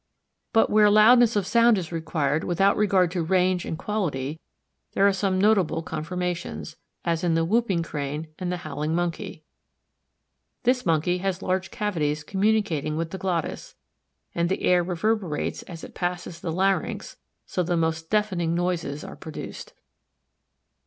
But where loudness of sound is required without regard to range and quality there are some notable conformations, as in the Whooping Crane and the Howling Monkey. This Monkey has large cavities communicating with the glottis, and the air reverberates as it passes the larynx so the most deafening noises are produced.